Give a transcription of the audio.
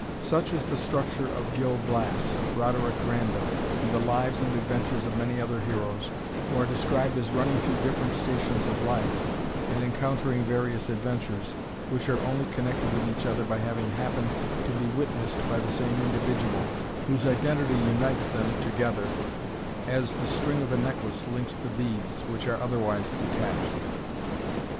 Such is the structure of Gil Blas, Roderick Random, and the lives and adventures of many other heroes, who are described as running through different stations of life, and encountering various adventures, which are only connected with each other by having happened to be witnessed by the same individual, whose identity unites them together, as the string of a necklace links the beads, which are otherwise detached.